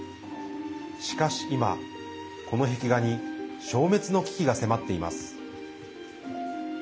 しかし今、この壁画に消滅の危機が迫っています。